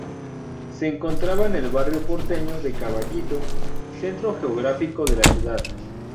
Se encontraba en el barrio porteño de Caballito, centro geográfico de la ciudad.